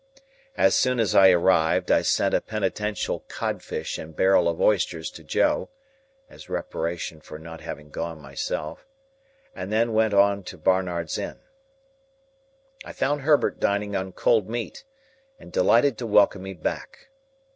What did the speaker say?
As soon as I arrived, I sent a penitential codfish and barrel of oysters to Joe (as reparation for not having gone myself), and then went on to Barnard's Inn. I found Herbert dining on cold meat, and delighted to welcome me back.